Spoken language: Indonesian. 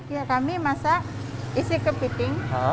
hari ini kami masak isi kepiting